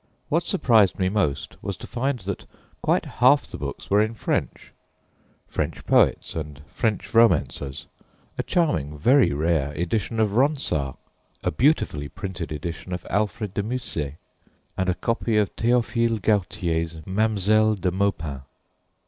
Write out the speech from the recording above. What surprised me most was to find that quite half the books were in French French poets and French romancers: a charming, very rare edition of Ronsard, a beautifully printed edition of Alfred de Musset, and a copy of Théophile Gautier's Mademoiselle de Maupin.